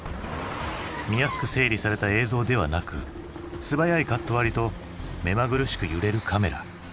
見やすく整理された映像ではなく素早いカット割りと目まぐるしく揺れるカメラ。